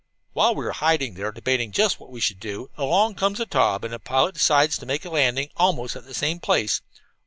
"While we were hiding there, debating just what we should do, along comes a Taube, and its pilot decides to make a landing almost at that same place.